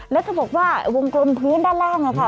แล้วเธอบอกว่าวงกลมพื้นด้านล่างค่ะ